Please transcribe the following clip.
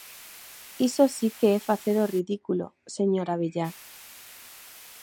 Iso si que é facer o ridículo, señor Abellá.